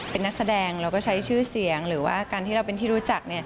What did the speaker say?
เป็นนักแสดงเราก็ใช้ชื่อเสียงหรือว่าการที่เราเป็นที่รู้จัก